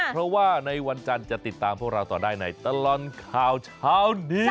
เพราะว่าในวันจันทร์จะติดตามพวกเราต่อได้ในตลอดข่าวเช้านี้